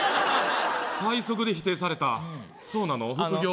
最速で否定されたそうなの副業？